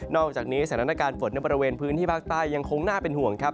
อกจากนี้สถานการณ์ฝนในบริเวณพื้นที่ภาคใต้ยังคงน่าเป็นห่วงครับ